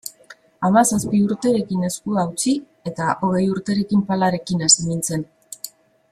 Hamazazpi urterekin eskua utzi eta hogei urterekin palarekin hasi nintzen.